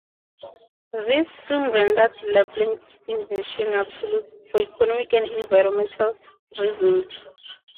This soon rendered Leblanc's invention obsolete for economic and environmental reasons.